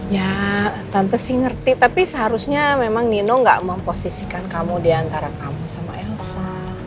ya tante sih ngerti tapi seharusnya memang nino gak memposisikan kamu diantara kamu sama elsa